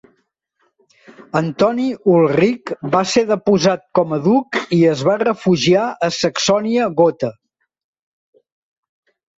Antoni Ulric va ser deposat com a duc i es va refugiar a Saxònia-Gotha.